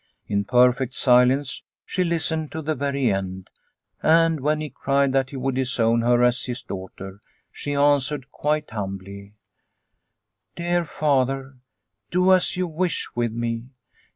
In perfect silence she listened to the very end, and when he cried that he would disown her as his daughter, she answered quite humbly :" Dear father, do as you wish with me.